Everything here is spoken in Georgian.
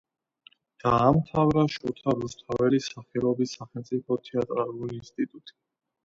დაამთავრა შოთა რუსთაველის სახელობის სახელმწიფო თეატრალური ინსტიტუტი.